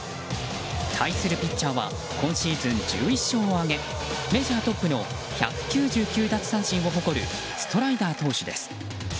対するピッチャーは今シーズン１１勝を挙げメジャートップの１９９奪三振を誇る、ストライダー投手です。